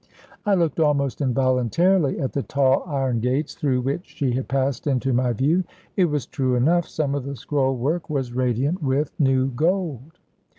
I looked almost involuntarily at the tall iron gates through which she had passed into my view. It was true enough some of the scroll work was radiant with new gold.